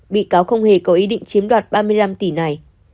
bị cáo không hề có ý định chiếm đoạt ba mươi năm tỷ này